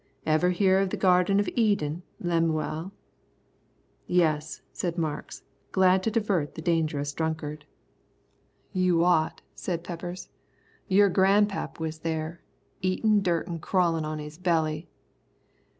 "Ever hear of the Garden of Eden, Lemuel?" "Yes," said Marks, glad to divert the dangerous drunkard. "You ought," said Peppers. "Your grandpap was there, eatin' dirt an' crawlin' on his belly."